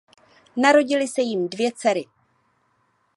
Narodily se jim dvě dcery.